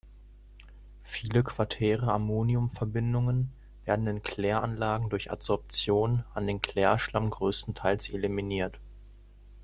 Viele quartäre Ammoniumverbindungen werden in Kläranlagen durch Adsorption an den Klärschlamm größtenteils eliminiert.